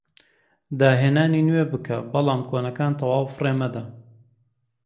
داهێنانی نوێ بکە بەڵام کۆنەکان تەواو فڕێ مەدە